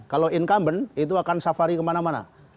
kalau incumbent itu akan safari kemana mana